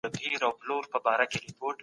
ډیپلوماسي د نړیوالي همکارۍ لپاره کار کوي.